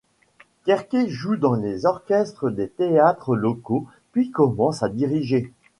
Kerker joue dans les orchestres des théâtres locaux, puis commence à diriger.